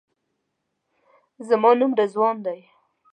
زما نوم رضوان دی.